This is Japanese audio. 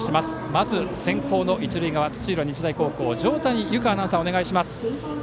まず先攻の土浦日大高校条谷有香アナウンサーお願いします。